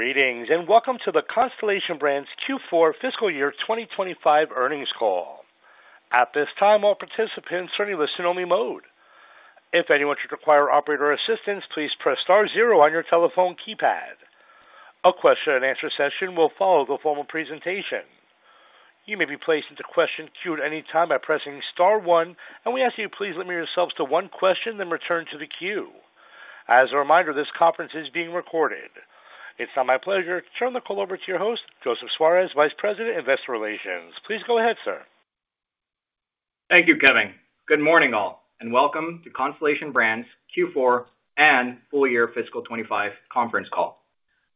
Greetings and welcome to the Constellation Brands Q4 Fiscal Year 2025 earnings call. At this time, all participants are in listen-only mode. If anyone should require operator assistance, please press star zero on your telephone keypad. A question-and-answer session will follow the formal presentation. You may be placed into question queue at any time by pressing star one, and we ask that you please limit yourselves to one question, then return to the queue. As a reminder, this conference is being recorded. It's now my pleasure to turn the call over to your host, Joseph Suarez, Vice President, Investor Relations. Please go ahead, sir. Thank you, Kevin. Good morning, all, and welcome to Constellation Brands Q4 and full year fiscal 2025 conference call.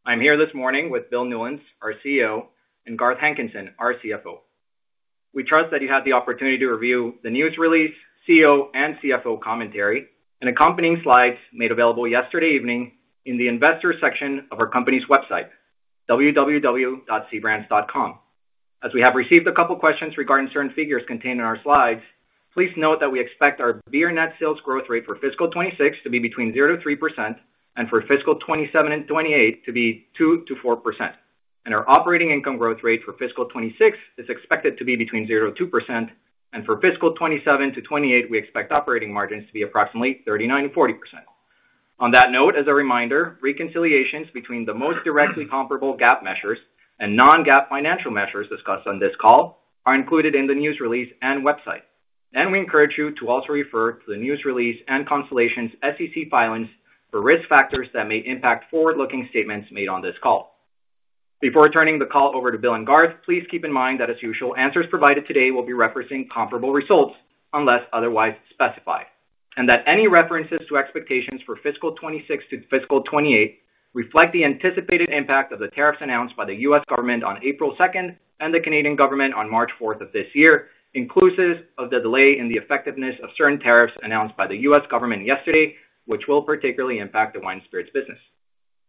I'm here this morning with Bill Newlands, our CEO, and Garth Hankinson, our CFO. We trust that you had the opportunity to review the news release, CEO and CFO commentary, and accompanying slides made available yesterday evening in the investor section of our company's website, www.cbrands.com. As we have received a couple of questions regarding certain figures contained in our slides, please note that we expect our beer net sales growth rate for fiscal 2026 to be between 0-3%, and for fiscal 2027 and 2028 to be 2-4%. Our operating income growth rate for fiscal 2026 is expected to be between 0-2%, and for fiscal 2027 to 2028, we expect operating margins to be approximately 39-40%. On that note, as a reminder, reconciliations between the most directly comparable GAAP measures and non-GAAP financial measures discussed on this call are included in the news release and website. We encourage you to also refer to the news release and Constellation's SEC filings for risk factors that may impact forward-looking statements made on this call. Before turning the call over to Bill and Garth, please keep in mind that, as usual, answers provided today will be referencing comparable results unless otherwise specified, and that any references to expectations for fiscal 2026 to fiscal 2028 reflect the anticipated impact of the tariffs announced by the U.S. government on April 2 and the Canadian government on March 4 of this year, inclusive of the delay in the effectiveness of certain tariffs announced by the U.S. government yesterday, which will particularly impact the wine spirits business.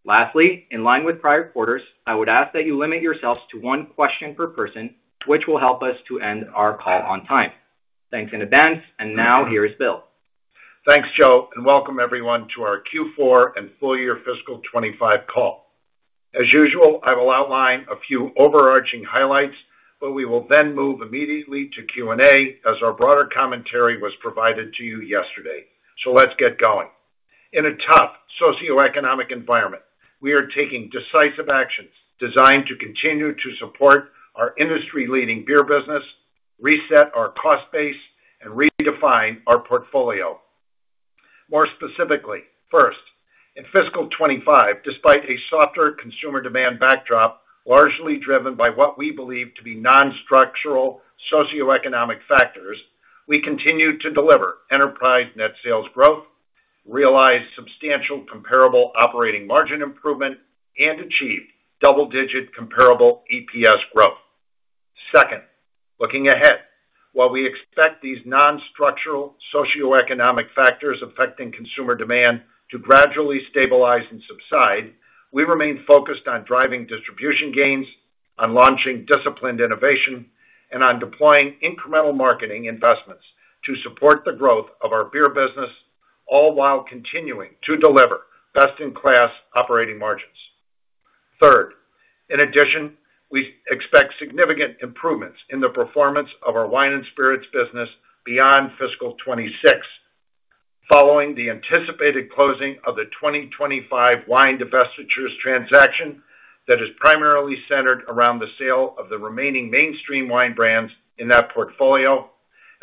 Lastly, in line with prior quarters, I would ask that you limit yourselves to one question per person, which will help us to end our call on time. Thanks in advance, and now here's Bill. Thanks, Joe, and welcome everyone to our Q4 and full year fiscal 2025 call. As usual, I will outline a few overarching highlights, but we will then move immediately to Q&A as our broader commentary was provided to you yesterday. Let's get going. In a tough socioeconomic environment, we are taking decisive actions designed to continue to support our industry-leading beer business, reset our cost base, and redefine our portfolio. More specifically, first, in fiscal 2025, despite a softer consumer demand backdrop largely driven by what we believe to be non-structural socioeconomic factors, we continue to deliver enterprise net sales growth, realize substantial comparable operating margin improvement, and achieve double-digit comparable EPS growth. Second, looking ahead, while we expect these non-structural socioeconomic factors affecting consumer demand to gradually stabilize and subside, we remain focused on driving distribution gains, on launching disciplined innovation, and on deploying incremental marketing investments to support the growth of our beer business, all while continuing to deliver best-in-class operating margins. Third, in addition, we expect significant improvements in the performance of our wine and spirits business beyond fiscal 2026, following the anticipated closing of the 2025 wine divestitures transaction that is primarily centered around the sale of the remaining mainstream wine brands in that portfolio,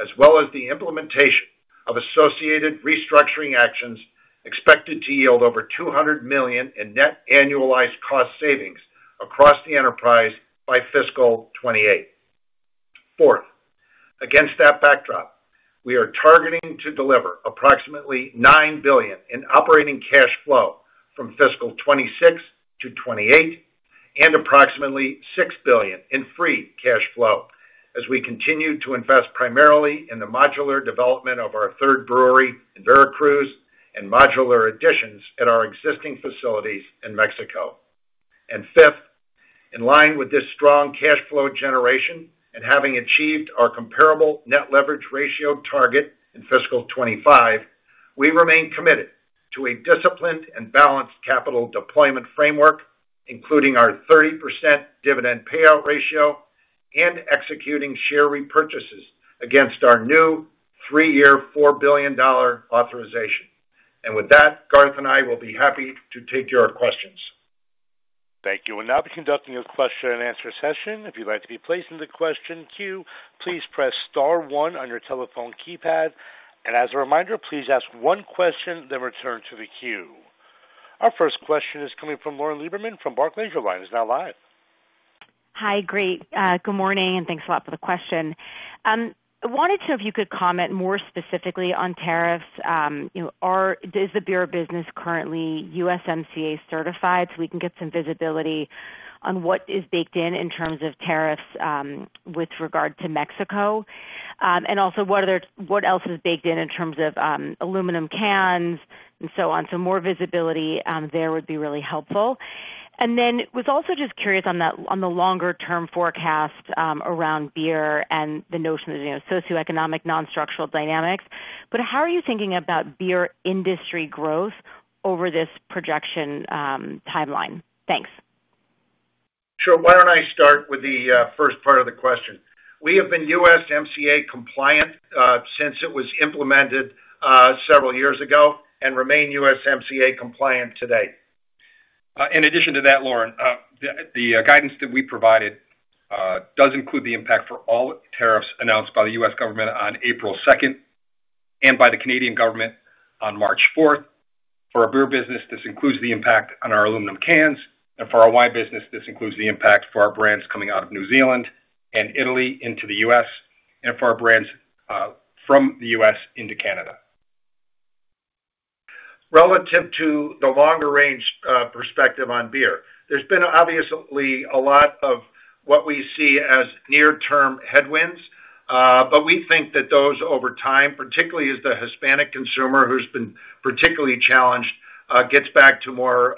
as well as the implementation of associated restructuring actions expected to yield over $200 million in net annualized cost savings across the enterprise by fiscal 2028. Fourth, against that backdrop, we are targeting to deliver approximately $9 billion in operating cash flow from fiscal 2026 to 2028, and approximately $6 billion in free cash flow as we continue to invest primarily in the modular development of our third brewery in Veracruz and modular additions at our existing facilities in Mexico. Fifth, in line with this strong cash flow generation and having achieved our comparable net leverage ratio target in fiscal 2025, we remain committed to a disciplined and balanced capital deployment framework, including our 30% dividend payout ratio and executing share repurchases against our new three-year $4 billion authorization. With that, Garth and I will be happy to take your questions. Thank you. Now we will be conducting a question-and-answer session. If you'd like to be placed into the question queue, please press star one on your telephone keypad. As a reminder, please ask one question, then return to the queue. Our first question is coming from Lauren Lieberman from Barclays, now live. Hi, great. Good morning, and thanks a lot for the question. I wanted to know if you could comment more specifically on tariffs. Is the beer business currently USMCA certified? We can get some visibility on what is baked in in terms of tariffs with regard to Mexico. Also, what else is baked in in terms of aluminum cans and so on? More visibility there would be really helpful. I was also just curious on the longer-term forecast around beer and the notion of socioeconomic non-structural dynamics. How are you thinking about beer industry growth over this projection timeline? Thanks. Sure. Why don't I start with the first part of the question? We have been USMCA compliant since it was implemented several years ago and remain USMCA compliant today. In addition to that, Lauren, the guidance that we provided does include the impact for all tariffs announced by the U.S. government on April 2 and by the Canadian government on March 4. For our beer business, this includes the impact on our aluminum cans. For our wine business, this includes the impact for our brands coming out of New Zealand and Italy into the U.S., and for our brands from the U.S. into Canada. Relative to the longer-range perspective on beer, there's been obviously a lot of what we see as near-term headwinds, but we think that those over time, particularly as the Hispanic consumer who's been particularly challenged, gets back to more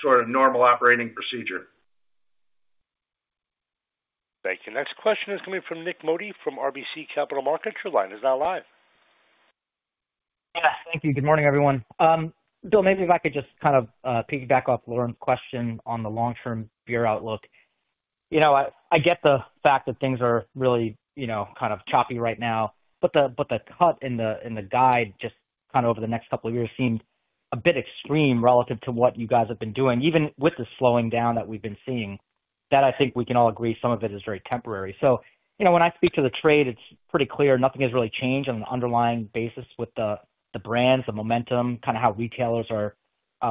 sort of normal operating procedure. Thank you. Next question is coming from Nik Modi from RBC Capital Markets. Your line is now live. Yeah, thank you. Good morning, everyone. Bill, maybe if I could just kind of piggyback off Lauren's question on the long-term beer outlook. You know, I get the fact that things are really kind of choppy right now, but the cut in the guide just kind of over the next couple of years seemed a bit extreme relative to what you guys have been doing, even with the slowing down that we've been seeing. That I think we can all agree some of it is very temporary. You know, when I speak to the trade, it's pretty clear nothing has really changed on an underlying basis with the brands, the momentum, kind of how retailers are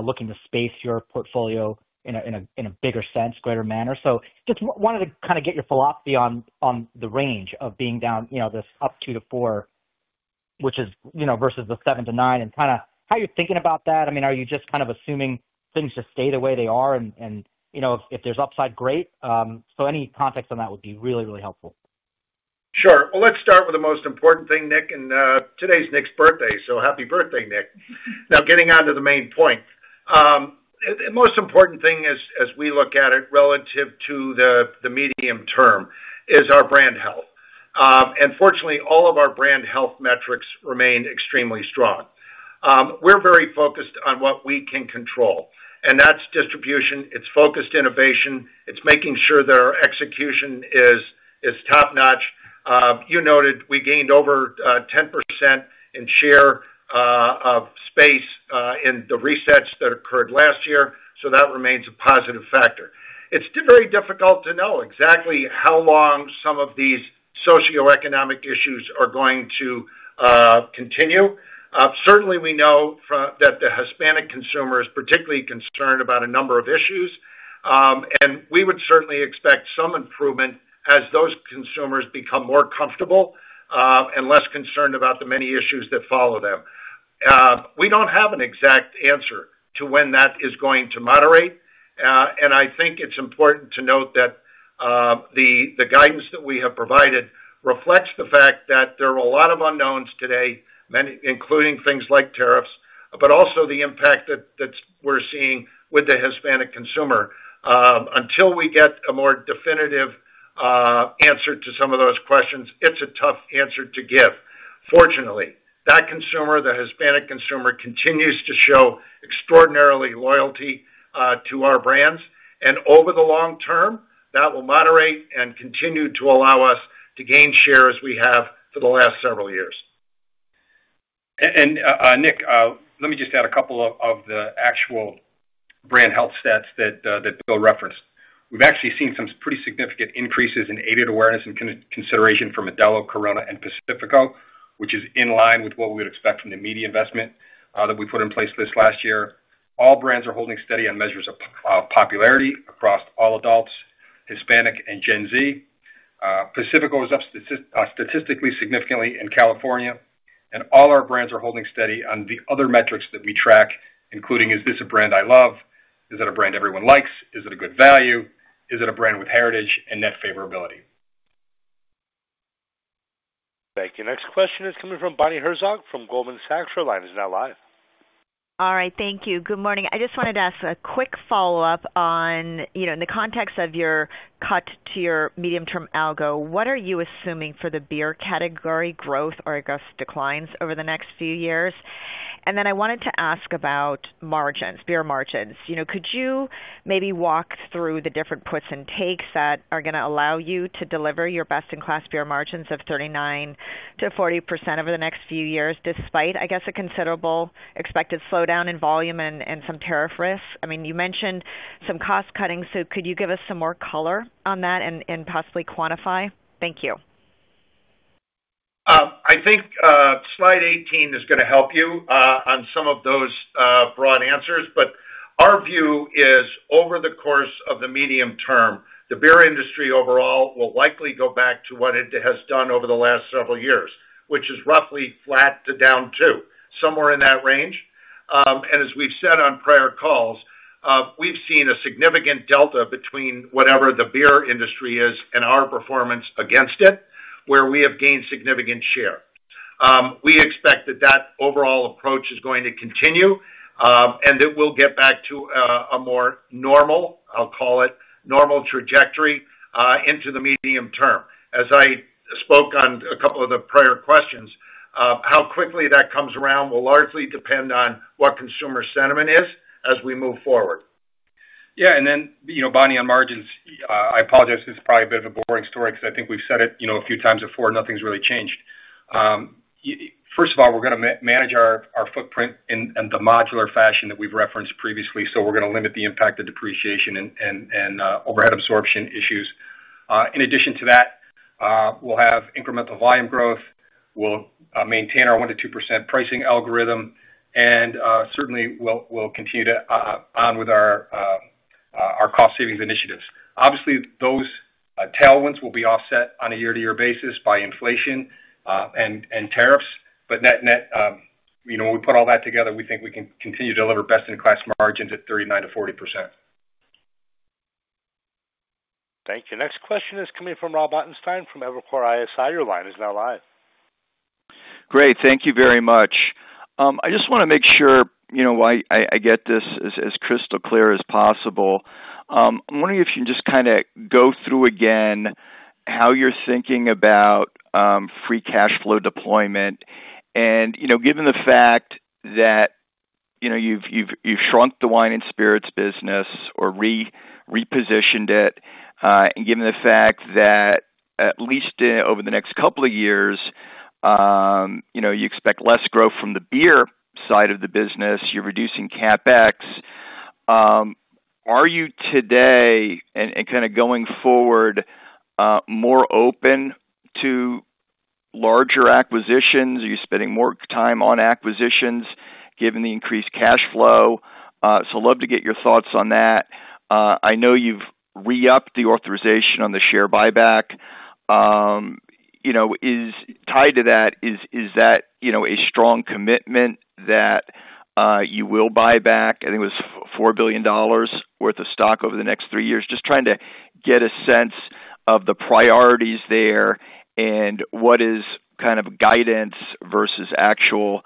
looking to space your portfolio in a bigger sense, greater manner. I just wanted to kind of get your philosophy on the range of being down this up two to four, which is versus the seven to nine, and kind of how you're thinking about that. I mean, are you just kind of assuming things just stay the way they are? If there's upside, great. Any context on that would be really, really helpful. Sure. Let's start with the most important thing, Nick, and today's Nick's birthday. So happy birthday, Nick. Now, getting on to the main point, the most important thing as we look at it relative to the medium term is our brand health. Fortunately, all of our brand health metrics remain extremely strong. We're very focused on what we can control, and that's distribution. It's focused innovation. It's making sure that our execution is top-notch. You noted we gained over 10% in share of space in the resets that occurred last year, so that remains a positive factor. It's very difficult to know exactly how long some of these socioeconomic issues are going to continue. Certainly, we know that the Hispanic consumer is particularly concerned about a number of issues, and we would certainly expect some improvement as those consumers become more comfortable and less concerned about the many issues that follow them. We do not have an exact answer to when that is going to moderate, and I think it is important to note that the guidance that we have provided reflects the fact that there are a lot of unknowns today, including things like tariffs, but also the impact that we are seeing with the Hispanic consumer. Until we get a more definitive answer to some of those questions, it is a tough answer to give. Fortunately, that consumer, the Hispanic consumer, continues to show extraordinary loyalty to our brands, and over the long term, that will moderate and continue to allow us to gain share as we have for the last several years. Nick, let me just add a couple of the actual brand health stats that Bill referenced. We've actually seen some pretty significant increases in aided awareness and consideration for Modelo, Corona, and Pacifico, which is in line with what we would expect from the media investment that we put in place this last year. All brands are holding steady on measures of popularity across all adults, Hispanic and Gen Z. Pacifico is up statistically significantly in California, and all our brands are holding steady on the other metrics that we track, including: is this a brand I love? Is it a brand everyone likes? Is it a good value? Is it a brand with heritage and net favorability? Thank you. Next question is coming from Bonnie Herzog from Goldman Sachs, now live. All right. Thank you. Good morning. I just wanted to ask a quick follow-up on, you know, in the context of your cut to your medium-term algo, what are you assuming for the beer category growth or I guess declines over the next few years? Then I wanted to ask about margins, beer margins. You know, could you maybe walk through the different puts and takes that are going to allow you to deliver your best-in-class beer margins of 39-40% over the next few years despite, I guess, a considerable expected slowdown in volume and some tariff risks? I mean, you mentioned some cost cuttings, so could you give us some more color on that and possibly quantify? Thank you. I think slide 18 is going to help you on some of those broad answers, but our view is over the course of the medium term, the beer industry overall will likely go back to what it has done over the last several years, which is roughly flat to down 2, somewhere in that range. As we've said on prior calls, we've seen a significant delta between whatever the beer industry is and our performance against it, where we have gained significant share. We expect that that overall approach is going to continue and that we'll get back to a more normal, I'll call it normal trajectory into the medium term. As I spoke on a couple of the prior questions, how quickly that comes around will largely depend on what consumer sentiment is as we move forward. Yeah. You know, Bonnie, on margins, I apologize. This is probably a bit of a boring story because I think we've said it, you know, a few times before, and nothing's really changed. First of all, we're going to manage our footprint in the modular fashion that we've referenced previously. We're going to limit the impact of depreciation and overhead absorption issues. In addition to that, we'll have incremental volume growth. We'll maintain our 1-2% pricing algorithm, and certainly we'll continue on with our cost savings initiatives. Obviously, those tailwinds will be offset on a year-to-year basis by inflation and tariffs, but net, you know, when we put all that together, we think we can continue to deliver best-in-class margins at 39-40%. Thank you. Next question is coming from Rob Ottenstein from Evercore ISI, now live. Great. Thank you very much. I just want to make sure, you know, I get this as crystal clear as possible. I'm wondering if you can just kind of go through again how you're thinking about free cash flow deployment. And, you know, given the fact that, you know, you've shrunk the wine and spirits business or repositioned it, and given the fact that at least over the next couple of years, you know, you expect less growth from the beer side of the business, you're reducing CapEx. Are you today, and kind of going forward, more open to larger acquisitions? Are you spending more time on acquisitions given the increased cash flow? So I'd love to get your thoughts on that. I know you've re-upped the authorization on the share buyback. You know, tied to that, is that, you know, a strong commitment that you will buy back? I think it was $4 billion worth of stock over the next three years. Just trying to get a sense of the priorities there and what is kind of guidance versus actual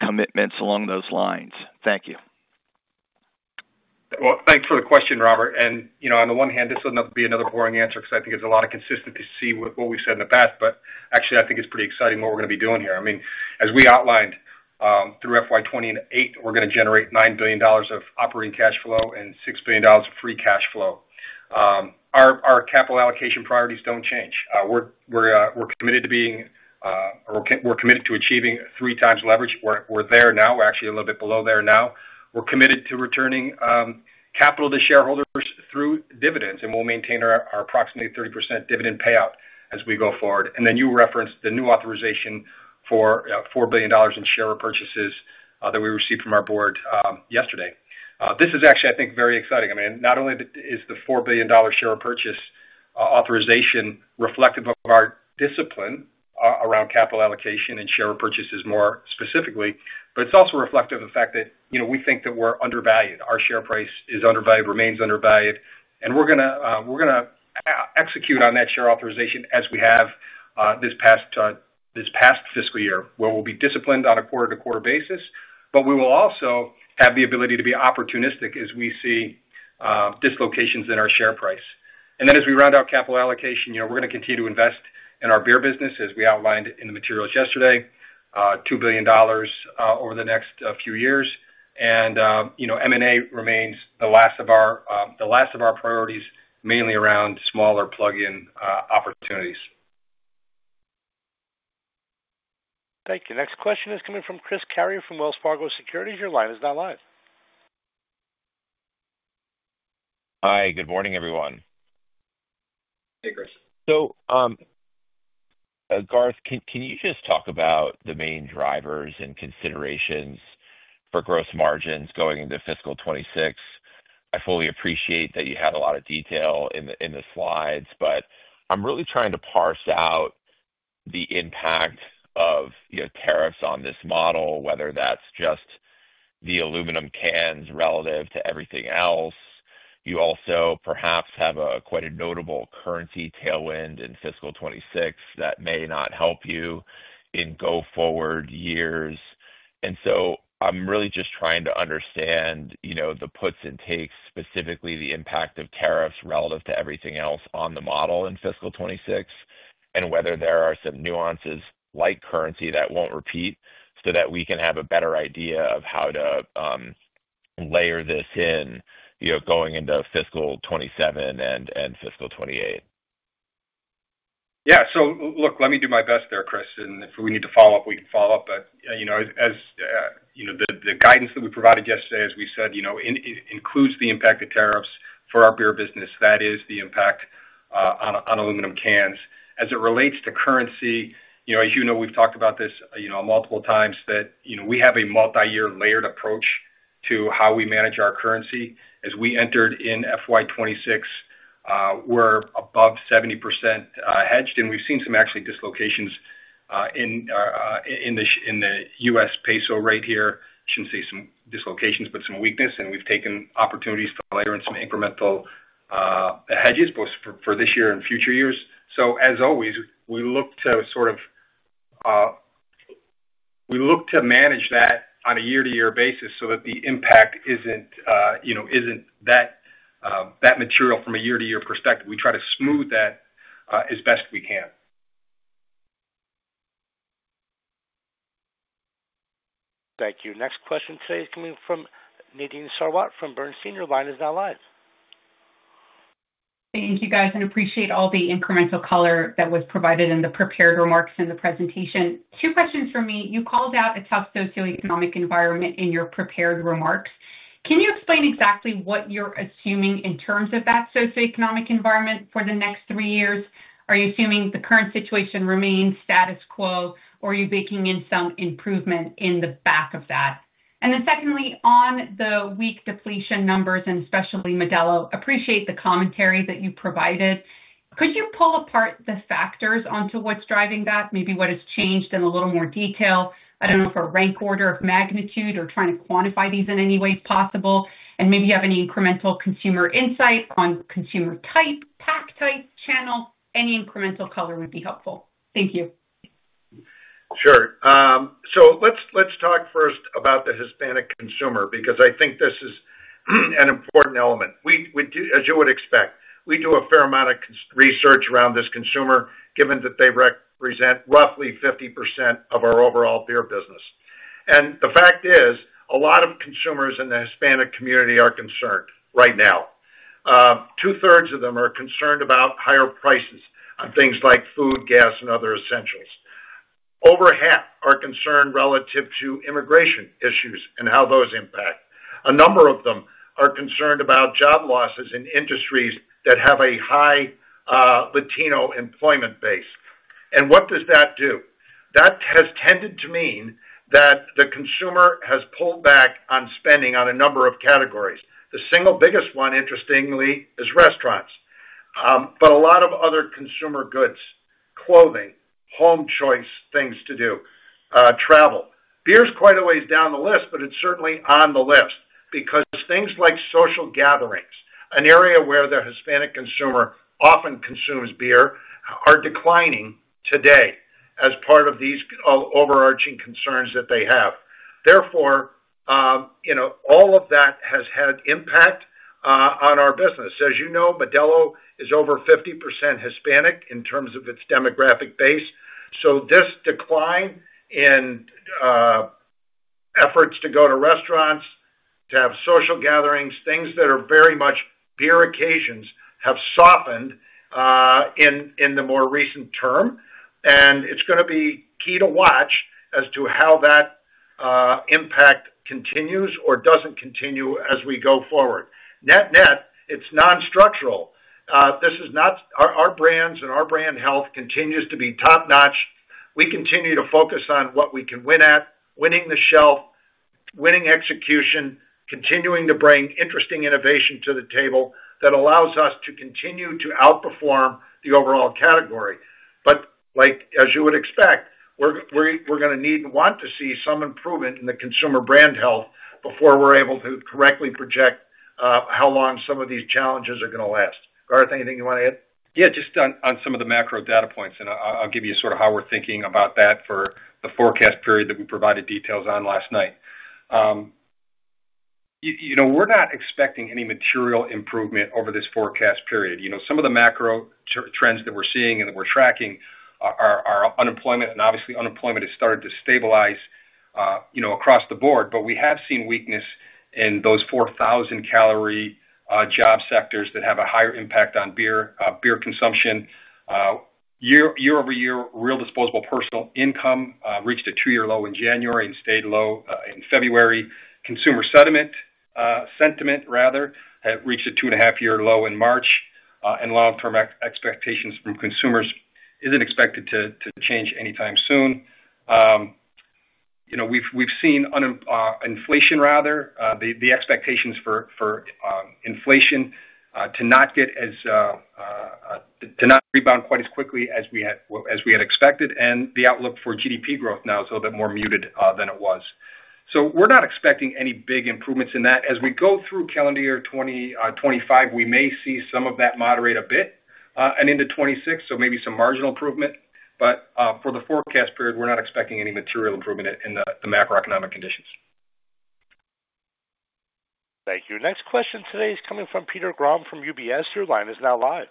commitments along those lines. Thank you. Thanks for the question, Robert. You know, on the one hand, this would not be another boring answer because I think it's a lot of consistency to see what we've said in the past, but actually, I think it's pretty exciting what we're going to be doing here. I mean, as we outlined through fiscal year 2028, we're going to generate $9 billion of operating cash flow and $6 billion of free cash flow. Our capital allocation priorities don't change. We're committed to being—we're committed to achieving three times leverage. We're there now. We're actually a little bit below there now. We're committed to returning capital to shareholders through dividends, and we'll maintain our approximately 30% dividend payout as we go forward. You referenced the new authorization for $4 billion in share repurchases that we received from our board yesterday. This is actually, I think, very exciting. I mean, not only is the $4 billion share repurchase authorization reflective of our discipline around capital allocation and share repurchases more specifically, but it's also reflective of the fact that, you know, we think that we're undervalued. Our share price is undervalued, remains undervalued, and we're going to execute on that share authorization as we have this past fiscal year, where we'll be disciplined on a quarter-to-quarter basis, but we will also have the ability to be opportunistic as we see dislocations in our share price. As we round out capital allocation, you know, we're going to continue to invest in our beer business, as we outlined in the materials yesterday, $2 billion over the next few years. You know, M&A remains the last of our priorities, mainly around smaller plug-in opportunities. Thank you. Next question is coming from Chris Carey from Wells Fargo Securities. Your line is now live. Hi. Good morning, everyone. Hey, Chris. Garth, can you just talk about the main drivers and considerations for gross margins going into fiscal 2026? I fully appreciate that you had a lot of detail in the slides, but I'm really trying to parse out the impact of, you know, tariffs on this model, whether that's just the aluminum cans relative to everything else. You also perhaps have quite a notable currency tailwind in fiscal 2026 that may not help you in go forward years. I am really just trying to understand, you know, the puts and takes, specifically the impact of tariffs relative to everything else on the model in fiscal 2026, and whether there are some nuances like currency that will not repeat so that we can have a better idea of how to layer this in, you know, going into fiscal 2027 and fiscal 2028. Yeah. Look, let me do my best there, Chris. If we need to follow up, we can follow up. As you know, the guidance that we provided yesterday, as we said, includes the impact of tariffs for our beer business. That is the impact on aluminum cans. As it relates to currency, as you know, we've talked about this multiple times, that we have a multi-year layered approach to how we manage our currency. As we entered in fiscal year 2026, we're above 70% hedged, and we've seen some actually dislocations in the USD/Peso rate here. I should not say some dislocations, but some weakness, and we've taken opportunities to layer in some incremental hedges both for this year and future years. As always, we look to sort of, we look to manage that on a year-to-year basis so that the impact isn't, you know, isn't that material from a year-to-year perspective. We try to smooth that as best we can. Thank you. Next question today is coming from Nadine Sarwat from Bernstein. Your line is now live. Thank you, guys. I appreciate all the incremental color that was provided in the prepared remarks and the presentation. Two questions for me. You called out a tough socioeconomic environment in your prepared remarks. Can you explain exactly what you're assuming in terms of that socioeconomic environment for the next three years? Are you assuming the current situation remains status quo, or are you baking in some improvement in the back of that? Secondly, on the weak depletion numbers, and especially Modelo, I appreciate the commentary that you provided. Could you pull apart the factors onto what's driving that, maybe what has changed in a little more detail? I do not know if a rank order of magnitude or trying to quantify these in any way possible. Maybe you have any incremental consumer insight on consumer type, pack type, channel. Any incremental color would be helpful. Thank you. Sure. Let's talk first about the Hispanic consumer because I think this is an important element. As you would expect, we do a fair amount of research around this consumer given that they represent roughly 50% of our overall beer business. The fact is, a lot of consumers in the Hispanic community are concerned right now. Two-thirds of them are concerned about higher prices on things like food, gas, and other essentials. Over half are concerned relative to immigration issues and how those impact. A number of them are concerned about job losses in industries that have a high Latino employment base. What does that do? That has tended to mean that the consumer has pulled back on spending on a number of categories. The single biggest one, interestingly, is restaurants, but a lot of other consumer goods, clothing, home choice things to do, travel. Beer's quite a ways down the list, but it's certainly on the list because things like social gatherings, an area where the Hispanic consumer often consumes beer, are declining today as part of these overarching concerns that they have. Therefore, you know, all of that has had impact on our business. As you know, Modelo is over 50% Hispanic in terms of its demographic base. This decline in efforts to go to restaurants, to have social gatherings, things that are very much beer occasions have softened in the more recent term. It's going to be key to watch as to how that impact continues or doesn't continue as we go forward. Net net, it's non-structural. This is not our brands, and our brand health continues to be top-notch. We continue to focus on what we can win at, winning the shelf, winning execution, continuing to bring interesting innovation to the table that allows us to continue to outperform the overall category. As you would expect, we're going to need and want to see some improvement in the consumer brand health before we're able to correctly project how long some of these challenges are going to last. Garth, anything you want to add? Yeah, just on some of the macro data points. I'll give you sort of how we're thinking about that for the forecast period that we provided details on last night. You know, we're not expecting any material improvement over this forecast period. You know, some of the macro trends that we're seeing and that we're tracking are unemployment. Obviously, unemployment has started to stabilize, you know, across the board, but we have seen weakness in those 40,000-salary job sectors that have a higher impact on beer consumption. Year-over-year real disposable personal income reached a two-year low in January and stayed low in February. Consumer sentiment, rather, reached a two-and-a-half-year low in March, and long-term expectations from consumers are not expected to change anytime soon. You know, we've seen inflation, rather, the expectations for inflation to not rebound quite as quickly as we had expected, and the outlook for GDP growth now is a little bit more muted than it was. We are not expecting any big improvements in that. As we go through calendar year 2025, we may see some of that moderate a bit and into 2026, so maybe some marginal improvement. For the forecast period, we are not expecting any material improvement in the macroeconomic conditions. Thank you. Next question today is coming from Peter Grom from UBS. Your line is now live.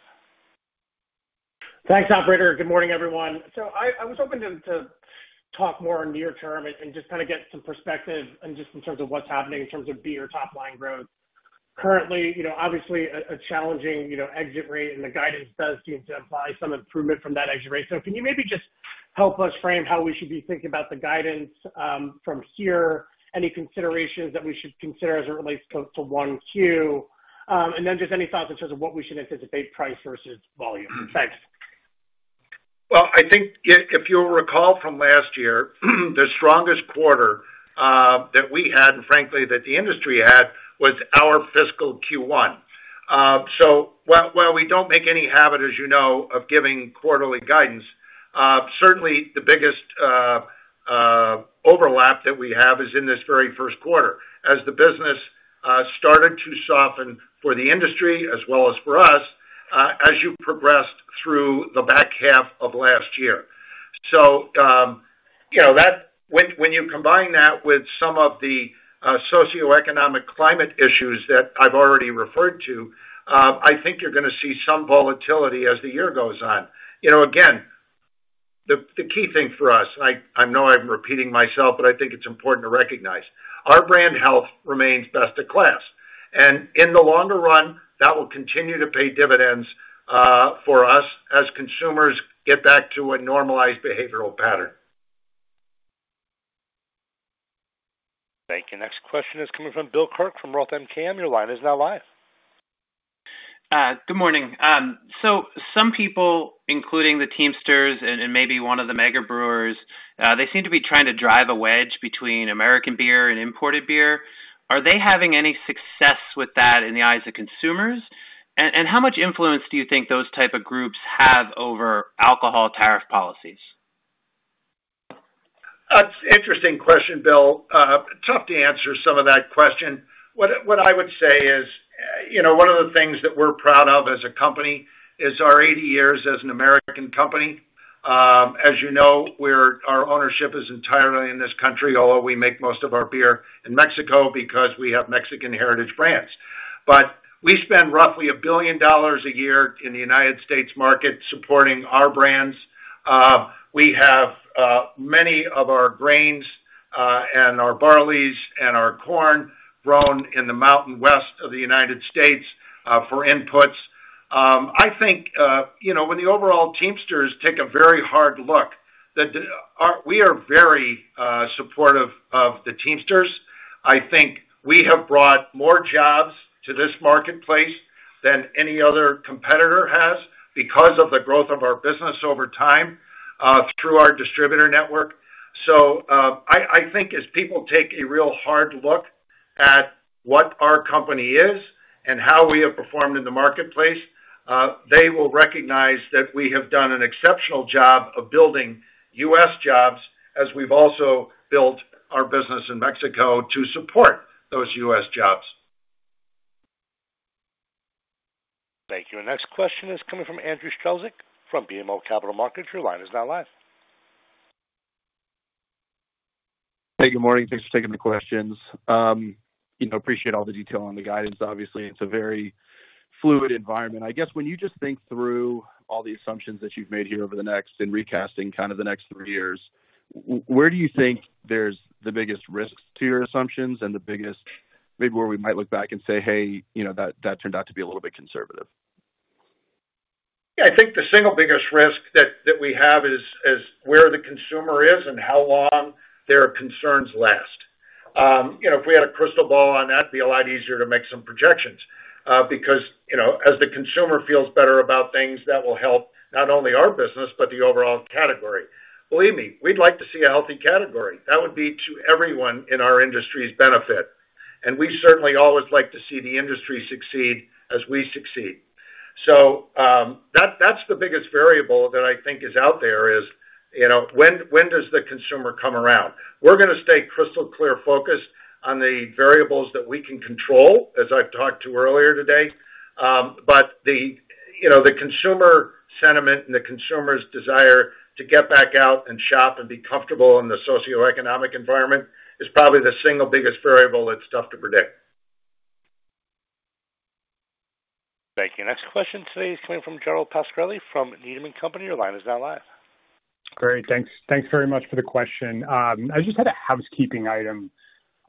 Thanks, operator. Good morning, everyone. I was hoping to talk more near-term and just kind of get some perspective and just in terms of what's happening in terms of beer top-line growth. Currently, you know, obviously a challenging, you know, exit rate, and the guidance does seem to imply some improvement from that exit rate. Can you maybe just help us frame how we should be thinking about the guidance from here? Any considerations that we should consider as it relates to 1Q? Any thoughts in terms of what we should anticipate price versus volume? Thanks. I think if you'll recall from last year, the strongest quarter that we had, and frankly, that the industry had, was our fiscal Q1. While we do not make any habit, as you know, of giving quarterly guidance, certainly the biggest overlap that we have is in this very first quarter as the business started to soften for the industry as well as for us as you progressed through the back half of last year. You know, when you combine that with some of the socioeconomic climate issues that I have already referred to, I think you are going to see some volatility as the year goes on. You know, again, the key thing for us, and I know I am repeating myself, but I think it is important to recognize, our brand health remains best of class. In the longer run, that will continue to pay dividends for us as consumers get back to a normalized behavioral pattern. Thank you. Next question is coming from Bill Kirk from Roth MKM. Your line is now live. Good morning. Some people, including the Teamsters and maybe one of the mega brewers, they seem to be trying to drive a wedge between American beer and imported beer. Are they having any success with that in the eyes of consumers? How much influence do you think those types of groups have over alcohol tariff policies? That's an interesting question, Bill. Tough to answer some of that question. What I would say is, you know, one of the things that we're proud of as a company is our 80 years as an American company. As you know, our ownership is entirely in this country, although we make most of our beer in Mexico because we have Mexican heritage brands. We spend roughly $1 billion a year in the United States market supporting our brands. We have many of our grains and our barleys and our corn grown in the mountain west of the United States for inputs. I think, you know, when the overall Teamsters take a very hard look, that we are very supportive of the Teamsters. I think we have brought more jobs to this marketplace than any other competitor has because of the growth of our business over time through our distributor network. I think as people take a real hard look at what our company is and how we have performed in the marketplace, they will recognize that we have done an exceptional job of building U.S. jobs as we've also built our business in Mexico to support those U.S. jobs. Thank you. Next question is coming from Andrew Strelzik from BMO Capital Markets. Your line is now live. Hey, good morning. Thanks for taking the questions. You know, appreciate all the detail on the guidance, obviously. It's a very fluid environment. I guess when you just think through all the assumptions that you've made here over the next, in recasting, kind of the next three years, where do you think there's the biggest risks to your assumptions and the biggest maybe where we might look back and say, "Hey, you know, that turned out to be a little bit conservative"? Yeah, I think the single biggest risk that we have is where the consumer is and how long their concerns last. You know, if we had a crystal ball on that, it'd be a lot easier to make some projections because, you know, as the consumer feels better about things, that will help not only our business, but the overall category. Believe me, we'd like to see a healthy category. That would be to everyone in our industry's benefit. We certainly always like to see the industry succeed as we succeed. That is the biggest variable that I think is out there is, you know, when does the consumer come around? We're going to stay crystal clear focused on the variables that we can control, as I've talked to earlier today. You know, the consumer sentiment and the consumer's desire to get back out and shop and be comfortable in the socioeconomic environment is probably the single biggest variable that's tough to predict. Thank you. Next question today is coming from Gerald Pascarelli from Needham & Company. Your line is now live. Great. Thanks very much for the question. I just had a housekeeping item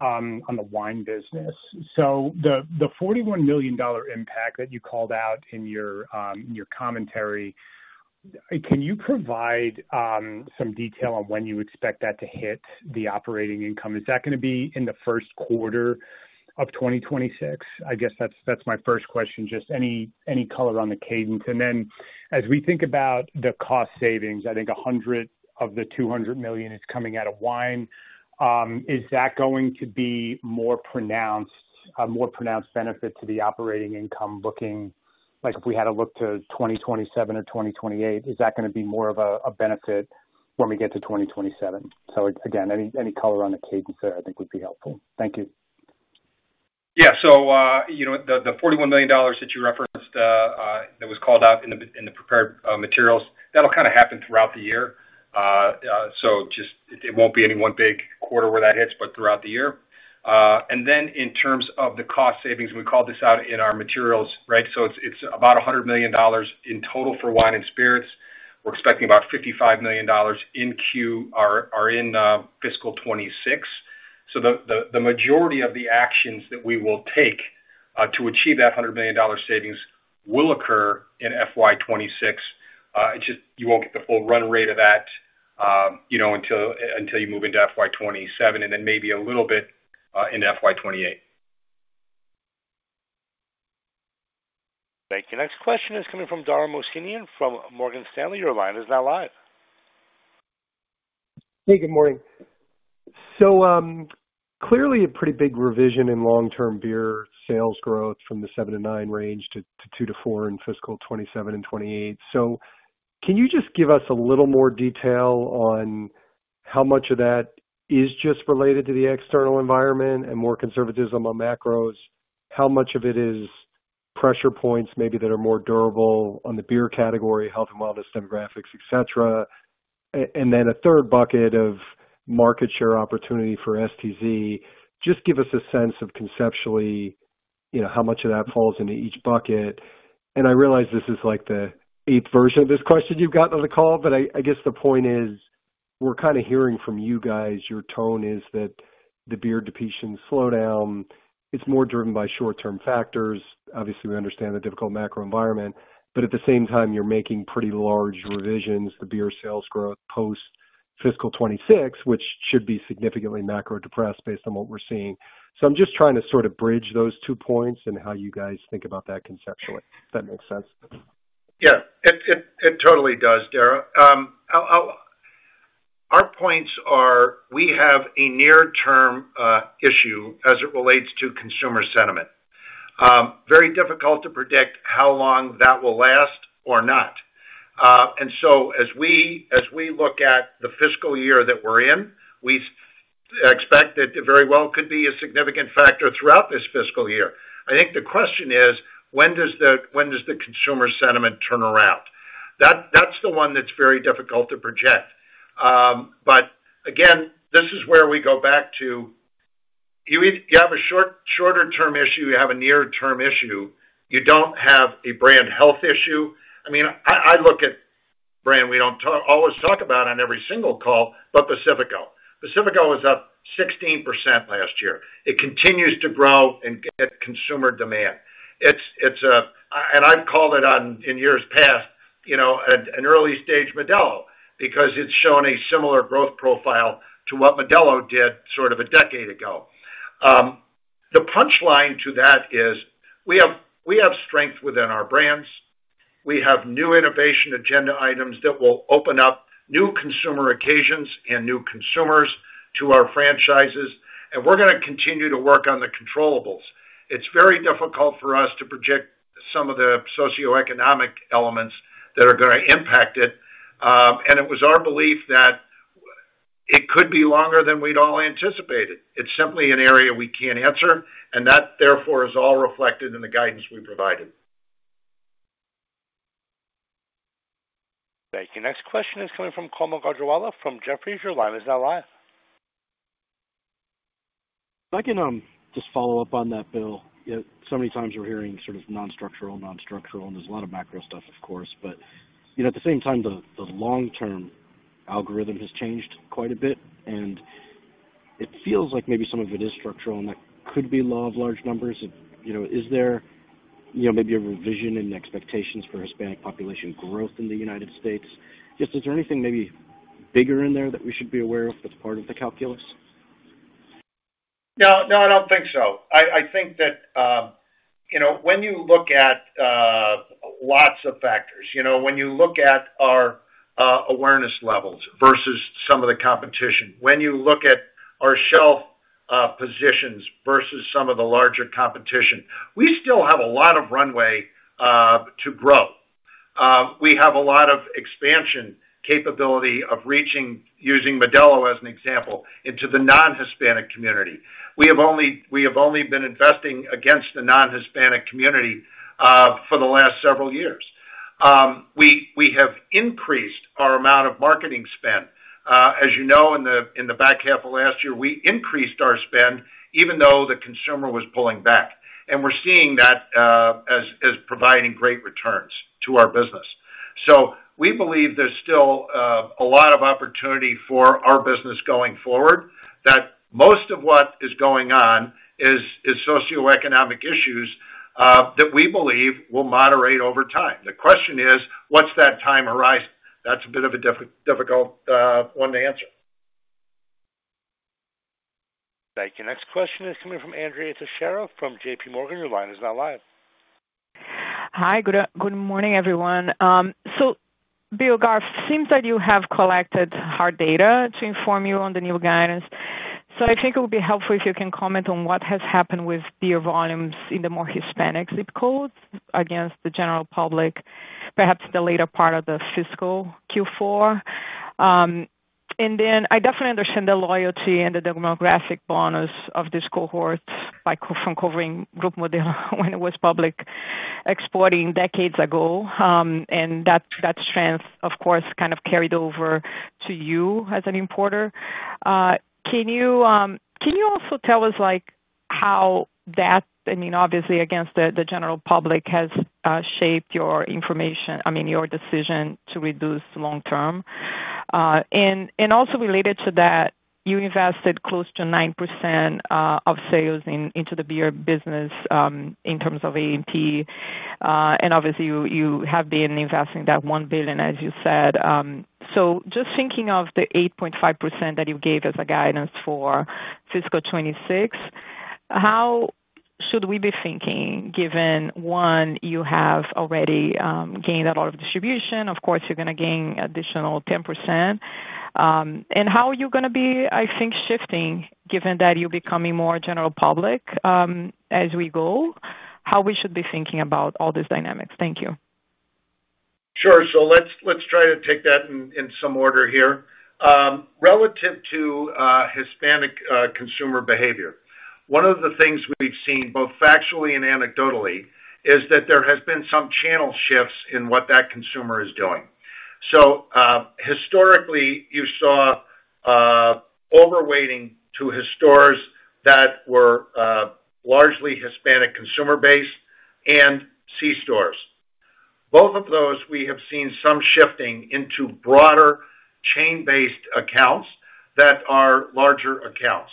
on the wine business. So the $41 million impact that you called out in your commentary, can you provide some detail on when you expect that to hit the operating income? Is that going to be in the first quarter of 2026? I guess that's my first question, just any color on the cadence. As we think about the cost savings, I think 100 of the 200 million is coming out of wine. Is that going to be a more pronounced benefit to the operating income looking like if we had to look to 2027 or 2028? Is that going to be more of a benefit when we get to 2027? Again, any color on the cadence there I think would be helpful. Thank you. Yeah. So, you know, the $41 million that you referenced that was called out in the prepared materials, that'll kind of happen throughout the year. Just it won't be any one big quarter where that hits, but throughout the year. In terms of the cost savings, we called this out in our materials, right? It's about $100 million in total for wine and spirits. We're expecting about $55 million in Q or in fiscal 2026. The majority of the actions that we will take to achieve that $100 million savings will occur in FY 2026. It's just you won't get the full run rate of that, you know, until you move into FY 2027 and then maybe a little bit in FY 2028. Thank you. Next question is coming from Dara Mohsenian from Morgan Stanley. Your line is now live. Hey, good morning. Clearly a pretty big revision in long-term beer sales growth from the 7%-9% range to 2%-4% in fiscal 2027 and 2028. Can you just give us a little more detail on how much of that is just related to the external environment and more conservatism on macros? How much of it is pressure points maybe that are more durable on the beer category, health and wellness demographics, et cetera? Then a third bucket of market share opportunity for STZ. Just give us a sense of conceptually, you know, how much of that falls into each bucket. I realize this is like the eighth version of this question you've gotten on the call, but I guess the point is we're kind of hearing from you guys, your tone is that the beer depletion slowdown, it's more driven by short-term factors. Obviously, we understand the difficult macro environment, but at the same time, you're making pretty large revisions to beer sales growth post-fiscal 2026, which should be significantly macro-depressed based on what we're seeing. I'm just trying to sort of bridge those two points and how you guys think about that conceptually, if that makes sense. Yeah, it totally does, Dara. Our points are we have a near-term issue as it relates to consumer sentiment. Very difficult to predict how long that will last or not. As we look at the fiscal year that we're in, we expect that it very well could be a significant factor throughout this fiscal year. I think the question is, when does the consumer sentiment turn around? That's the one that's very difficult to project. Again, this is where we go back to you have a shorter-term issue, you have a near-term issue, you don't have a brand health issue. I mean, I look at brand we don't always talk about on every single call, but Pacifico. Pacifico was up 16% last year. It continues to grow and get consumer demand. It's a, and I've called it in years past, you know, an early-stage Modelo because it's shown a similar growth profile to what Modelo did sort of a decade ago. The punchline to that is we have strength within our brands. We have new innovation agenda items that will open up new consumer occasions and new consumers to our franchises. We're going to continue to work on the controllables. It's very difficult for us to project some of the socioeconomic elements that are going to impact it. It was our belief that it could be longer than we'd all anticipated. It's simply an area we can't answer, and that therefore is all reflected in the guidance we provided. Thank you. Next question is coming from Kaumil Gajrawala from Jefferies. Your line is now live. I can just follow up on that, Bill. So many times we're hearing sort of non-structural, non-structural, and there's a lot of macro stuff, of course. But, you know, at the same time, the long-term algorithm has changed quite a bit, and it feels like maybe some of it is structural and that could be law of large numbers. You know, is there, you know, maybe a revision in expectations for Hispanic population growth in the United States? Just is there anything maybe bigger in there that we should be aware of that's part of the calculus? No, no, I don't think so. I think that, you know, when you look at lots of factors, you know, when you look at our awareness levels versus some of the competition, when you look at our shelf positions versus some of the larger competition, we still have a lot of runway to grow. We have a lot of expansion capability of reaching, using Modelo as an example, into the non-Hispanic community. We have only been investing against the non-Hispanic community for the last several years. We have increased our amount of marketing spend. As you know, in the back half of last year, we increased our spend even though the consumer was pulling back. We are seeing that as providing great returns to our business. We believe there's still a lot of opportunity for our business going forward, that most of what is going on is socioeconomic issues that we believe will moderate over time. The question is, what's that time horizon? That's a bit of a difficult one to answer. Thank you. Next question is coming from Andrea Teixeira from J.P. Morgan. Your line is now live. Hi, good morning, everyone. Bill, it seems that you have collected hard data to inform you on the new guidance. I think it would be helpful if you can comment on what has happened with beer volumes in the more Hispanic zip codes against the general public, perhaps the later part of the fiscal Q4. I definitely understand the loyalty and the demographic bonus of this cohort from covering Group Modelo when it was public exporting decades ago. That strength, of course, kind of carried over to you as an importer. Can you also tell us, like, how that, I mean, obviously against the general public, has shaped your information, I mean, your decision to reduce long-term? Also related to that, you invested close to 9% of sales into the beer business in terms of A&P. Obviously, you have been investing that $1 billion, as you said. Just thinking of the 8.5% that you gave as a guidance for fiscal 2026, how should we be thinking given, one, you have already gained a lot of distribution, of course, you're going to gain additional 10%? How are you going to be, I think, shifting given that you're becoming more general public as we go, how we should be thinking about all these dynamics? Thank you. Sure. Let's try to take that in some order here. Relative to Hispanic consumer behavior, one of the things we've seen both factually and anecdotally is that there has been some channel shifts in what that consumer is doing. Historically, you saw overweighting to his stores that were largely Hispanic consumer base and c-stores. Both of those, we have seen some shifting into broader chain-based accounts that are larger accounts.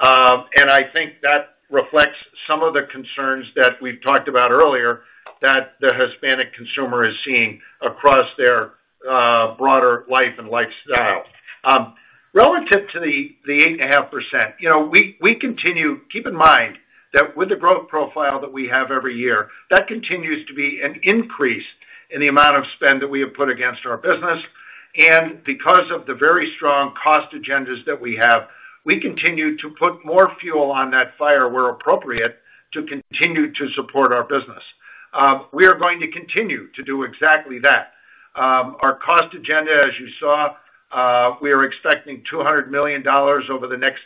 I think that reflects some of the concerns that we've talked about earlier that the Hispanic consumer is seeing across their broader life and lifestyle. Relative to the 8.5%, you know, we continue, keep in mind that with the growth profile that we have every year, that continues to be an increase in the amount of spend that we have put against our business. Because of the very strong cost agendas that we have, we continue to put more fuel on that fire where appropriate to continue to support our business. We are going to continue to do exactly that. Our cost agenda, as you saw, we are expecting $200 million over the next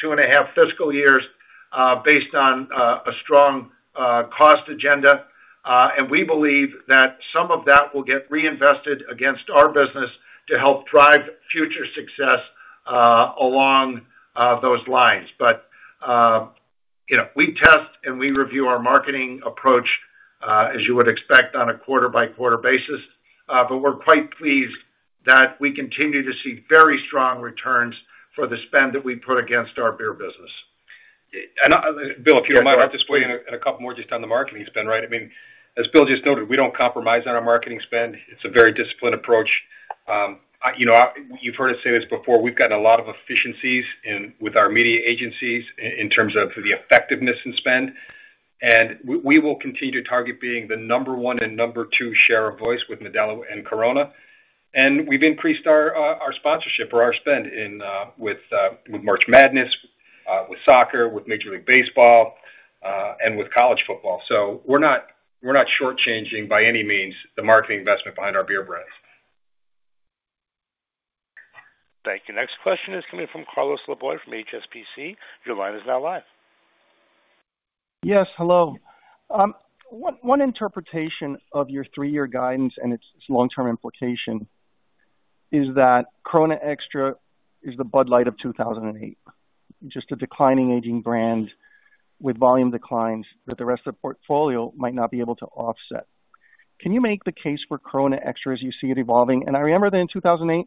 two and a half fiscal years based on a strong cost agenda. We believe that some of that will get reinvested against our business to help drive future success along those lines. You know, we test and we review our marketing approach, as you would expect, on a quarter-by-quarter basis. We are quite pleased that we continue to see very strong returns for the spend that we put against our beer business. Bill, if you do not mind, I will just play in a couple more just on the marketing spend, right? I mean, as Bill just noted, we do not compromise on our marketing spend. It is a very disciplined approach. You know, you have heard us say this before. We have gotten a lot of efficiencies with our media agencies in terms of the effectiveness and spend. We will continue to target being the number one and number two share of voice with Modelo and Corona. We have increased our sponsorship or our spend with March Madness, with soccer, with Major League Baseball, and with college football. We are not shortchanging by any means the marketing investment behind our beer brands. Thank you. Next question is coming from Carlos Laboy from HSBC. Your line is now live. Yes, hello. One interpretation of your three-year guidance and its long-term implication is that Corona Extra is the Bud Light of 2008, just a declining aging brand with volume declines that the rest of the portfolio might not be able to offset. Can you make the case for Corona Extra as you see it evolving? I remember that in 2008,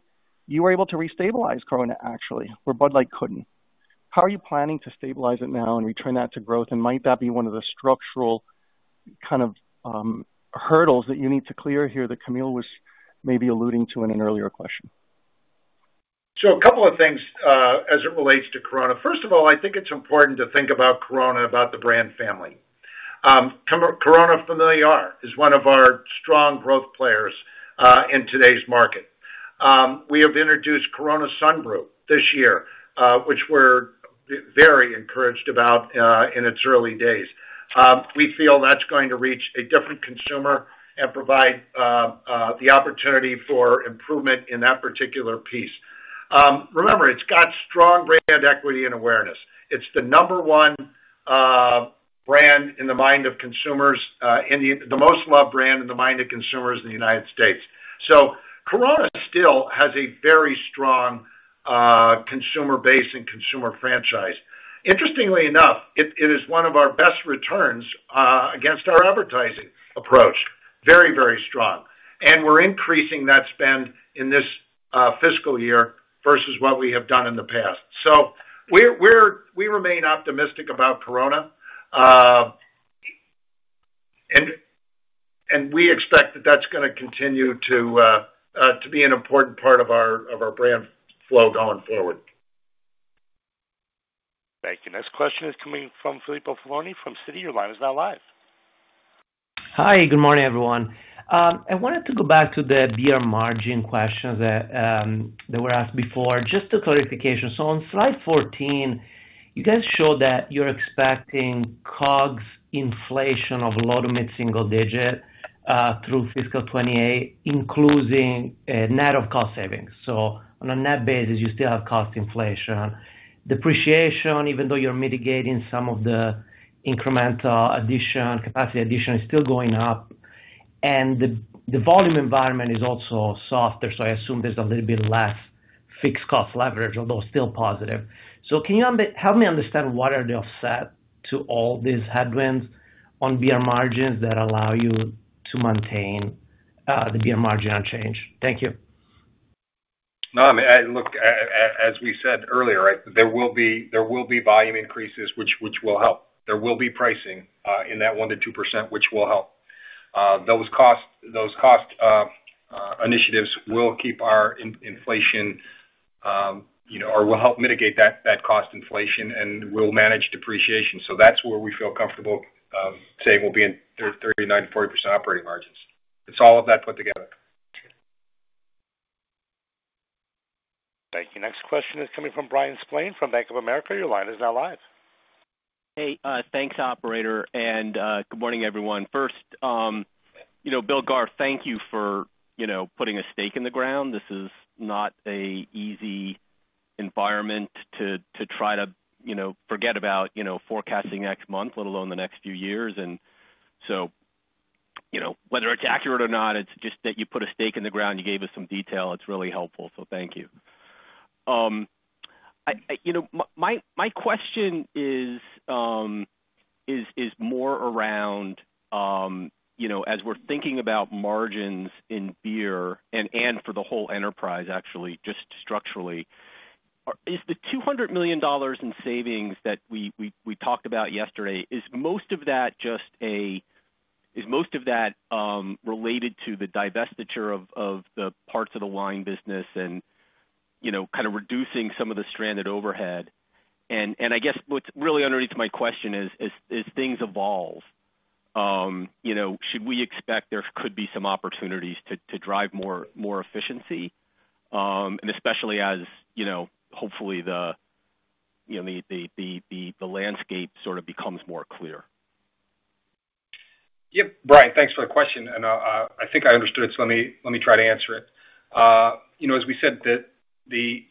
you were able to re-stabilize Corona, actually, where Bud Light could not. How are you planning to stabilize it now and return that to growth? Might that be one of the structural kind of hurdles that you need to clear here that Kaumil was maybe alluding to in an earlier question? A couple of things as it relates to Corona. First of all, I think it's important to think about Corona, about the brand family. Corona Familiar is one of our strong growth players in today's market. We have introduced Corona Sunbrew this year, which we're very encouraged about in its early days. We feel that's going to reach a different consumer and provide the opportunity for improvement in that particular piece. Remember, it's got strong brand equity and awareness. It's the number one brand in the mind of consumers, the most loved brand in the mind of consumers in the United States. Corona still has a very strong consumer base and consumer franchise. Interestingly enough, it is one of our best returns against our advertising approach, very, very strong. We're increasing that spend in this fiscal year versus what we have done in the past. We remain optimistic about Corona. We expect that that's going to continue to be an important part of our brand flow going forward. Thank you. Next question is coming from Filippo Falorni from Citi. Your line is now live. Hi, good morning, everyone. I wanted to go back to the beer margin questions that were asked before, just a clarification. On slide 14, you guys showed that you're expecting COGS inflation of low to mid-single digit through fiscal 2028, including net of cost savings. On a net basis, you still have cost inflation. Depreciation, even though you're mitigating some of the incremental addition, capacity addition is still going up. The volume environment is also softer. I assume there's a little bit less fixed cost leverage, although still positive. Can you help me understand what are the offset to all these headwinds on beer margins that allow you to maintain the beer margin unchanged? Thank you. No, I mean, look, as we said earlier, right, there will be volume increases, which will help. There will be pricing in that 1%-2%, which will help. Those cost initiatives will keep our inflation, you know, or will help mitigate that cost inflation and will manage depreciation. That's where we feel comfortable saying we'll be in 39%-40% operating margins. It's all of that put together. Thank you. Next question is coming from Bryan Spillane from Bank of America. Your line is now live. Hey, thanks, operator. Good morning, everyone. First, you know, Bill, Garth, thank you for, you know, putting a stake in the ground. This is not an easy environment to try to, you know, forget about, you know, forecasting next month, let alone the next few years. You know, whether it's accurate or not, it's just that you put a stake in the ground. You gave us some detail. It's really helpful. Thank you. You know, my question is more around, you know, as we're thinking about margins in beer and for the whole enterprise, actually, just structurally, is the $200 million in savings that we talked about yesterday, is most of that just a, is most of that related to the divestiture of the parts of the wine business and, you know, kind of reducing some of the stranded overhead? I guess what's really underneath my question is, as things evolve, you know, should we expect there could be some opportunities to drive more efficiency? Especially as, you know, hopefully the, you know, the landscape sort of becomes more clear. Yep, Brian, thanks for the question. I think I understood it, so let me try to answer it. You know, as we said, the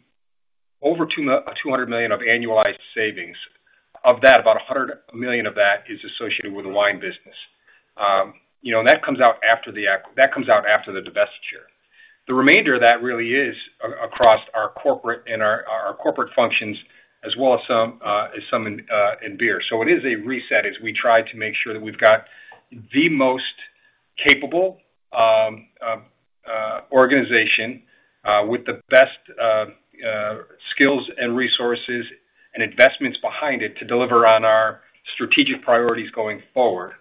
over $200 million of annualized savings, of that, about $100 million of that is associated with the wine business. You know, and that comes out after the, that comes out after the divestiture. The remainder of that really is across our corporate and our corporate functions, as well as some in beer. It is a reset as we try to make sure that we've got the most capable organization with the best skills and resources and investments behind it to deliver on our strategic priorities going forward.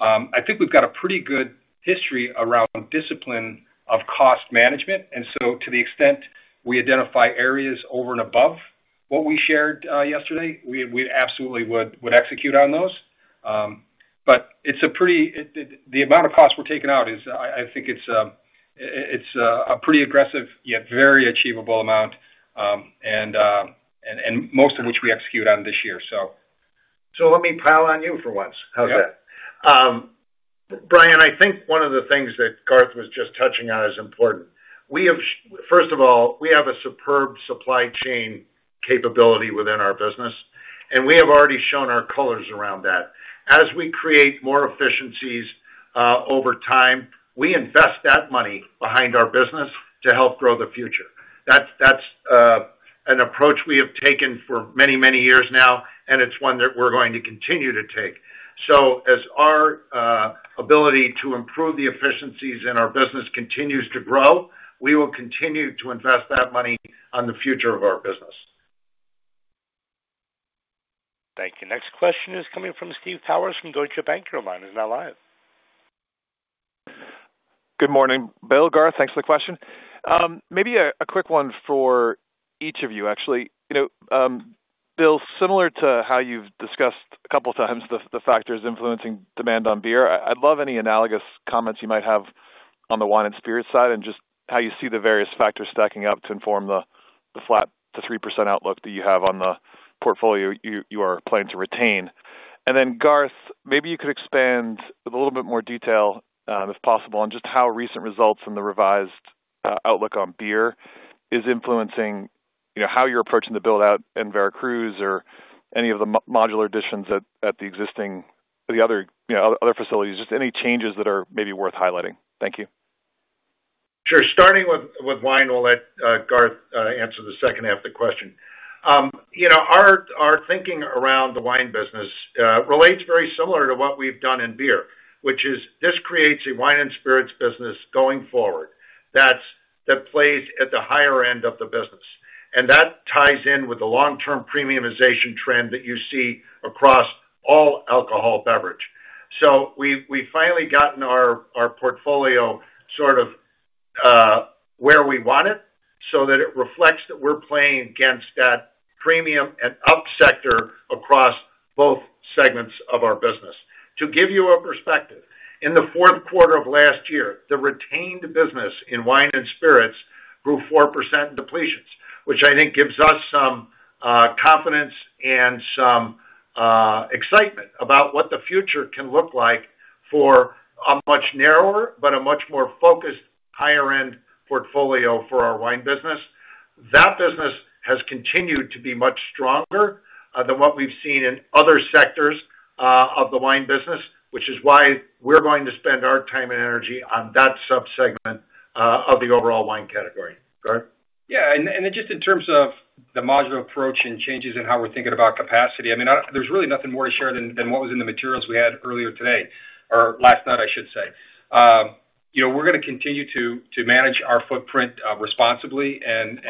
I think we've got a pretty good history around discipline of cost management. To the extent we identify areas over and above what we shared yesterday, we absolutely would execute on those. The amount of cost we're taking out is, I think it's a pretty aggressive, yet very achievable amount, and most of which we execute on this year. Let me pile on you for once. How's that? Yeah. Brian, I think one of the things that Garth was just touching on is important. First of all, we have a superb supply chain capability within our business. We have already shown our colors around that. As we create more efficiencies over time, we invest that money behind our business to help grow the future. That is an approach we have taken for many, many years now, and it is one that we are going to continue to take. As our ability to improve the efficiencies in our business continues to grow, we will continue to invest that money on the future of our business. Thank you. Next question is coming from Steve Powers from Deutsche Bank. Your line is now live. Good morning, Bill, Garth. Thanks for the question. Maybe a quick one for each of you, actually. You know, Bill, similar to how you've discussed a couple of times the factors influencing demand on beer, I'd love any analogous comments you might have on the wine and spirits side and just how you see the various factors stacking up to inform the flat to 3% outlook that you have on the portfolio you are planning to retain. Garth, maybe you could expand with a little bit more detail, if possible, on just how recent results in the revised outlook on beer is influencing, you know, how you're approaching the build-out in Veracruz or any of the modular additions at the existing, the other, you know, other facilities, just any changes that are maybe worth highlighting. Thank you. Sure. Starting with wine, we'll let Garth answer the second half of the question. You know, our thinking around the wine business relates very similar to what we've done in beer, which is this creates a wine and spirits business going forward that plays at the higher end of the business. That ties in with the long-term premiumization trend that you see across all alcohol beverage. We've finally gotten our portfolio sort of where we want it so that it reflects that we're playing against that premium and up sector across both segments of our business. To give you a perspective, in the fourth quarter of last year, the retained business in wine and spirits grew 4% in depletions, which I think gives us some confidence and some excitement about what the future can look like for a much narrower, but a much more focused higher-end portfolio for our wine business. That business has continued to be much stronger than what we've seen in other sectors of the wine business, which is why we're going to spend our time and energy on that subsegment of the overall wine category. Yeah. And just in terms of the modular approach and changes in how we're thinking about capacity, I mean, there's really nothing more to share than what was in the materials we had earlier today, or last night, I should say. You know, we're going to continue to manage our footprint responsibly and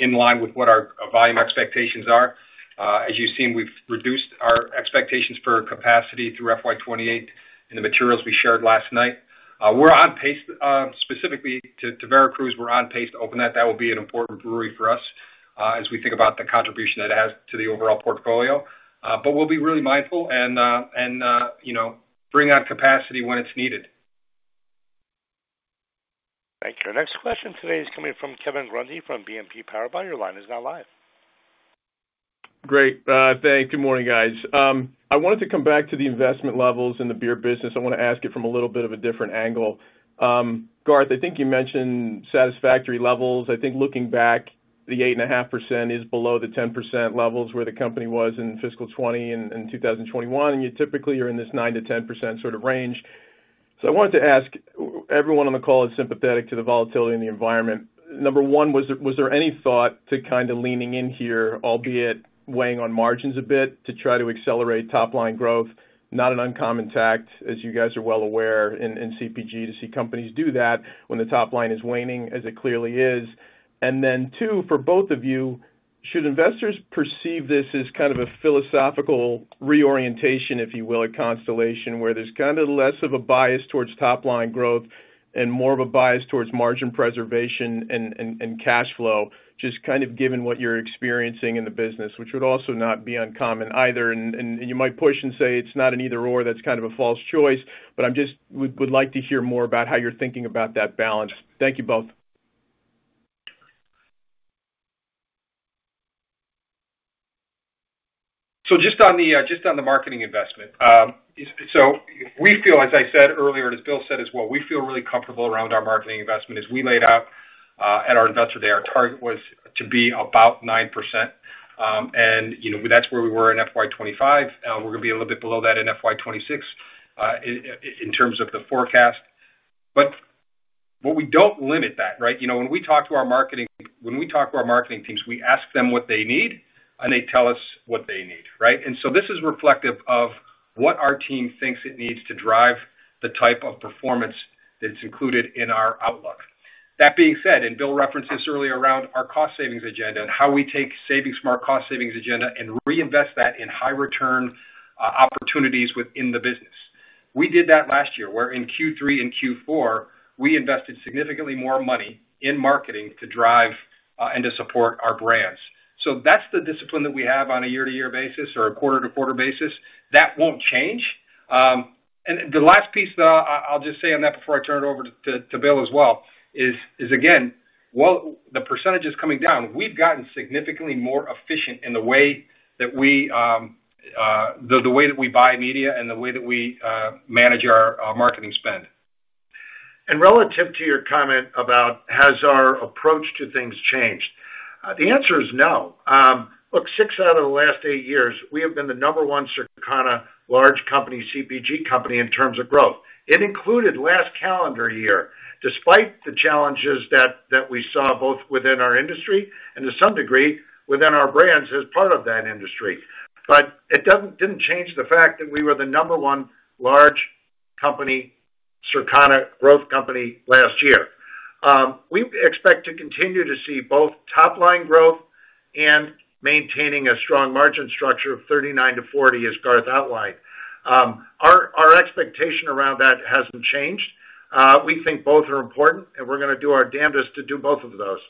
in line with what our volume expectations are. A s you've seen, we've reduced our expectations for capacity through FY2028 in the materials we shared last night. We're on pace, specifically to Veracruz, we're on pace to open that. That will be an important brewery for us as we think about the contribution that it has to the overall portfolio. We'll be really mindful and, you know, bring out capacity when it's needed. Thank you. Next question today is coming from Kevin Grundy from BNP Paribas. Your line is now live. Great. Thanks. Good morning, guys. I wanted to come back to the investment levels in the beer business. I want to ask it from a little bit of a different angle. Garth, I think you mentioned satisfactory levels. I think looking back, the 8.5% is below the 10% levels where the company was in fiscal 2020 and 2021. And you typically are in this 9%-10% sort of range. I wanted to ask, everyone on the call is sympathetic to the volatility in the environment. Number one, was there any thought to kind of leaning in here, albeit weighing on margins a bit to try to accelerate top-line growth? Not an uncommon tact, as you guys are well aware in CPG, to see companies do that when the top line is waning, as it clearly is. For both of you, should investors perceive this as kind of a philosophical reorientation, if you will, at Constellation, where there's kind of less of a bias towards top-line growth and more of a bias towards margin preservation and cash flow, just kind of given what you're experiencing in the business, which would also not be uncommon either. You might push and say it's not an either/or, that's kind of a false choice. I would like to hear more about how you're thinking about that balance. Thank you both. Just on the marketing investment, as I said earlier, and as Bill said as well, we feel really comfortable around our marketing investment. As we laid out at our investor day, our target was to be about 9%. You know, that's where we were in FY2025. We're going to be a little bit below that in FY2026 in terms of the forecast. We don't limit that, right? You know, when we talk to our marketing, when we talk to our marketing teams, we ask them what they need, and they tell us what they need, right? This is reflective of what our team thinks it needs to drive the type of performance that's included in our outlook. That being said, Bill referenced this earlier around our cost savings agenda and how we take savings, smart cost savings agenda and reinvest that in high-return opportunities within the business. We did that last year where in Q3 and Q4, we invested significantly more money in marketing to drive and to support our brands. That is the discipline that we have on a year-to-year basis or a quarter-to-quarter basis. That will not change. The last piece that I will just say on that before I turn it over to Bill as well is, again, while the percentage is coming down, we have gotten significantly more efficient in the way that we buy media and the way that we manage our marketing spend. Relative to your comment about has our approach to things changed? The answer is no. Look, six out of the last eight years, we have been the number one Circana large company CPG company in terms of growth. It included last calendar year, despite the challenges that we saw both within our industry and to some degree within our brands as part of that industry. It did not change the fact that we were the number one large company, Circana growth company last year. We expect to continue to see both top-line growth and maintaining a strong margin structure of 39%-40%, as Garth outlined. Our expectation around that has not changed. We think both are important, and we're going to do our damnedest to do both of those.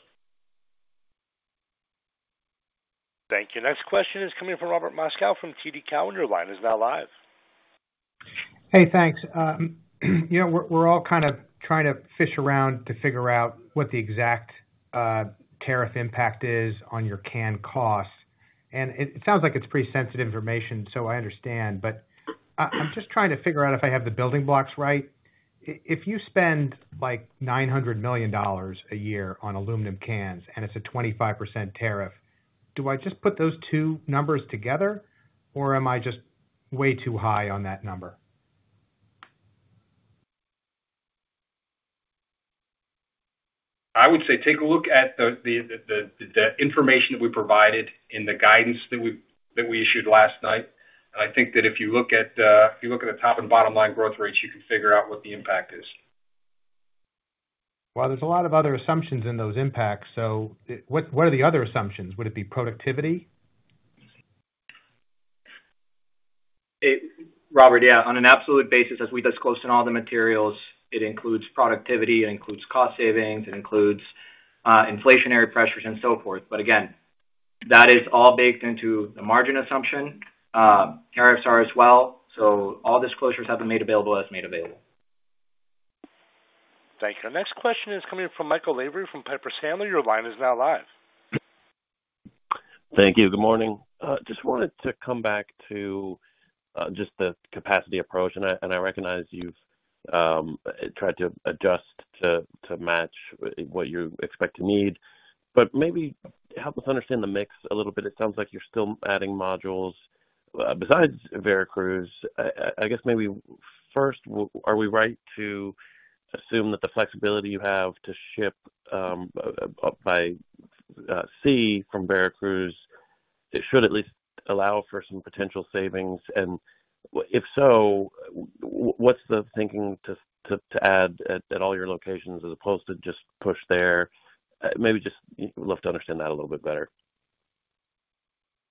Thank you. Next question is coming from Robert Moskow from TD Cowen. He's now live. Hey, thanks. You know, we're all kind of trying to fish around to figure out what the exact tariff impact is on your can cost. It sounds like it's pretty sensitive information, so I understand. I'm just trying to figure out if I have the building blocks right. If you spend like $900 million a year on aluminum cans and it's a 25% tariff, do I just put those two numbers together, or am I just way too high on that number? I would say take a look at the information that we provided in the guidance that we issued last night. I think that if you look at, if you look at the top and bottom line growth rates, you can figure out what the impact is. There is a lot of other assumptions in those impacts. So what are the other assumptions? Would it be productivity? Robert, yeah, on an absolute basis, as we disclosed in all the materials, it includes productivity. It includes cost savings. It includes inflationary pressures and so forth. That is all baked into the margin assumption. Tariffs are as well. All disclosures have been made available as made available. Thank you. Next question is coming from Michael Lavery from Piper Sandler. Your line is now live. Thank you. Good morning. Just wanted to come back to just the capacity approach. I recognize you've tried to adjust to match what you expect to need. Maybe help us understand the mix a little bit. It sounds like you're still adding modules besides Veracruz. I guess maybe first, are we right to assume that the flexibility you have to ship by sea from Veracruz should at least allow for some potential savings? If so, what's the thinking to add at all your locations as opposed to just push there? Maybe just love to understand that a little bit better.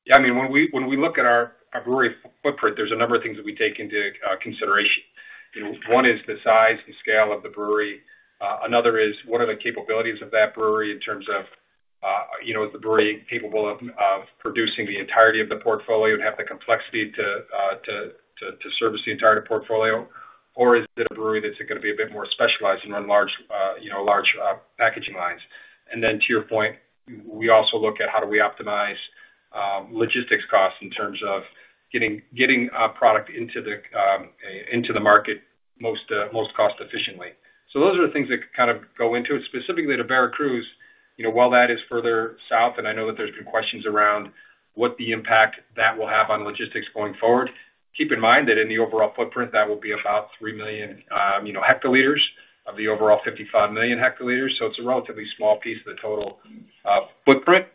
Yeah. I mean, when we look at our brewery footprint, there's a number of things that we take into consideration. One is the size and scale of the brewery. Another is what are the capabilities of that brewery in terms of, you know, is the brewery capable of producing the entirety of the portfolio and have the complexity to service the entire portfolio? Or is it a brewery that's going to be a bit more specialized and run large, you know, large packaging lines? To your point, we also look at how do we optimize logistics costs in terms of getting product into the market most cost-efficiently. Those are the things that kind of go into it. Specifically to Veracruz, you know, while that is further south, and I know that there's been questions around what the impact that will have on logistics going forward, keep in mind that in the overall footprint, that will be about 3 million, you know, hectoliters of the overall 55 million hectoliters. It is a relatively small piece of the total footprint.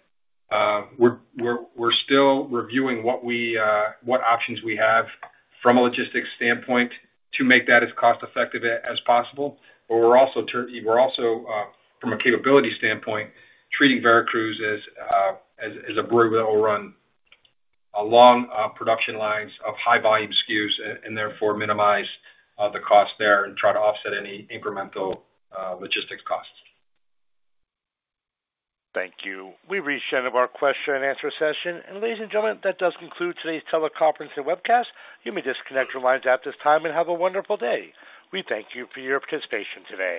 We're still reviewing what options we have from a logistics standpoint to make that as cost-effective as possible. We're also, from a capability standpoint, treating Veracruz as a brewery that will run long production lines of high-volume SKUs and therefore minimize the cost there and try to offset any incremental logistics costs. Thank you. We've reached the end of our question and answer session. Ladies and gentlemen, that does conclude today's teleconference and webcast. You may disconnect your lines at this time and have a wonderful day. We thank you for your participation today.